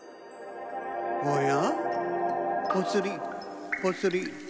おや？